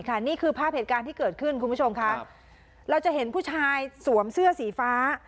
นี่คือภาพเหตุการณ์ที่เกิดขึ้นคุณผู้ชมค่ะเราจะเห็นผู้ชายสวมเสื้อสีฟ้า